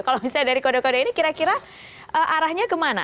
kalau misalnya dari kode kode ini kira kira arahnya kemana